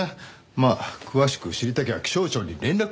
まあ詳しく知りたきゃ気象庁に連絡どうですかね？